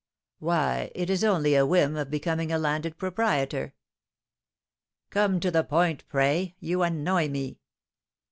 "Why, it is only a whim of becoming a landed proprietor." "Come to the point, pray! You annoy me."